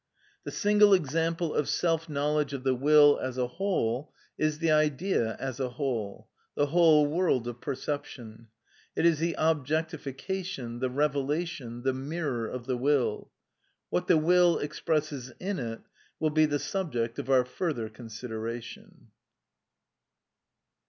The single example of self knowledge of the will as a whole is the idea as a whole, the whole world of perception. It is the objectification, the revelation, the mirror of the will. What the will expresses in it will be the subject of our further consideration.